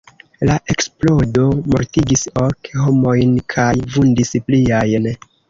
La eksplodo mortigis ok homojn kaj vundis pliajn.